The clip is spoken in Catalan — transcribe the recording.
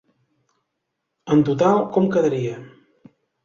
En total com quedaria?